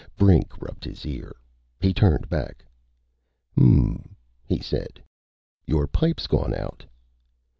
Brink rubbed his ear. He turned back. "Hm m m," he said. "Your pipe's gone out."